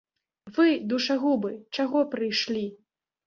Вы, душагубы, чаго прыйшлі?